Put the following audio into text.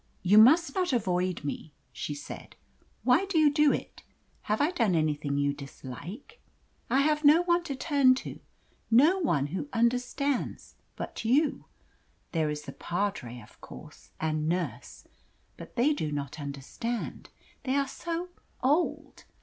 "You must not avoid me," she said. "Why do you do it? Have I done anything you dislike? I have no one to speak to, no one who understands, but you. There is the padre, of course and nurse; but they do not understand. They are so OLD!